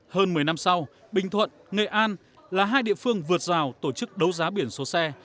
hơn một mươi năm sau bình thuận nghệ an là hai địa phương vượt rào tổ chức đấu giá biển số xe